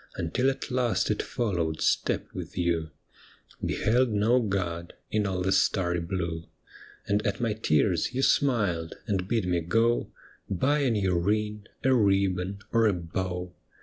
Until at last it followed step with you, Beheld no God in all the starry blue. And at my tears you smiled, and bid me go Buy a new ring, a ribbon, or a bow.